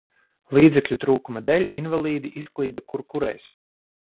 Līdzekļu trūkuma dēļ, invalīdi izklīda kur kurais.